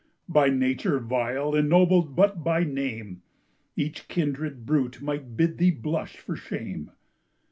By nature vile, ennobled but by name, Each kindred brute might bid thee blush for shame.